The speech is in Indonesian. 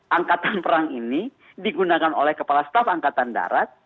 angkatan perang ini digunakan oleh kepala staf angkatan darat